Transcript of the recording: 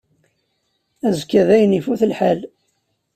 Azekka dayen ifut lḥal.